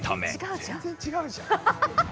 全然違うじゃん。